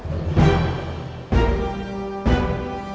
tapi aku bisa bantu kamu